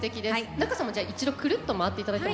仲さんもじゃあ一度くるっと回って頂いても。